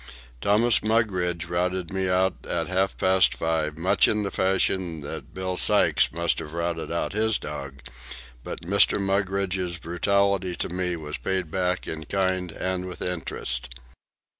Thomas Mugridge routed me out at half past five, much in the fashion that Bill Sykes must have routed out his dog; but Mr. Mugridge's brutality to me was paid back in kind and with interest.